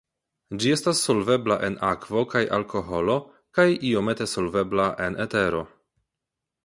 Ĝi estas solvebla en akvo kaj alkoholo kaj iomete solvebla en etero.